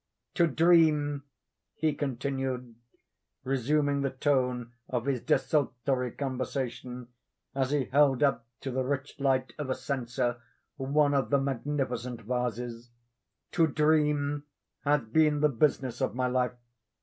"To dream," he continued, resuming the tone of his desultory conversation, as he held up to the rich light of a censer one of the magnificent vases—"to dream has been the business of my life.